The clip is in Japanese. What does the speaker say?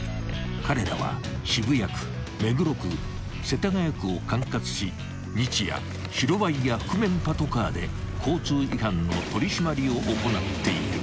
［彼らは渋谷区目黒区世田谷区を管轄し日夜白バイや覆面パトカーで交通違反の取り締まりを行っている］